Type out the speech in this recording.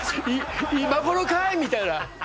い今頃かい⁉みたいな。